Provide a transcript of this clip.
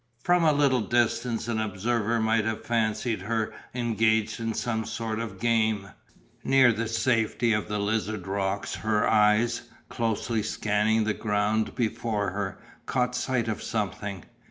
From a little distance an observer might have fancied her engaged in some new sort of game. Near the safety of the Lizard rocks her eyes, closely scanning the ground before her, caught sight of something.